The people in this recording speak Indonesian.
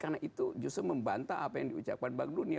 karena itu justru membantah apa yang diucapkan bank dunia